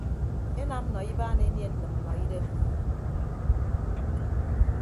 Enam nọ ibaan enie nnịmnnọidem.